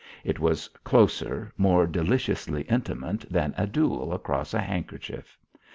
It was closer, more deliciously intimate than a duel across a handkerchief.